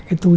cái tu tế